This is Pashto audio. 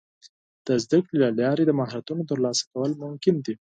د زده کړې له لارې د مهارتونو ترلاسه کول ممکن دي.